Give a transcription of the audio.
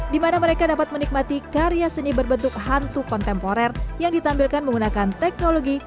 di mana mereka dapat menikmati karya seni berbentuk hantu kontemporer yang ditampilkan menggunakan teknologi